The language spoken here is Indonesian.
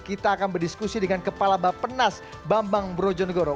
kita akan berdiskusi dengan kepala bapak penas bambang brojonegoro